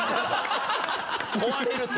壊れるって。